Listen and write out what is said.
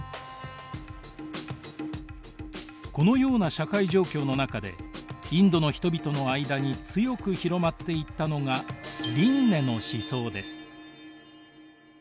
このような社会状況の中でインドの人々の間に強く広まっていったのが輪廻の思想です。